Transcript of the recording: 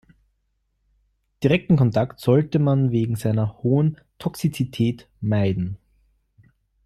Direkten Kontakt sollte man wegen seiner hohen Toxizität meiden.